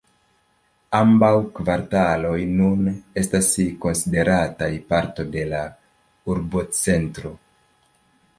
Ambaŭ kvartaloj nun estas konsiderataj partoj de la urbocentro.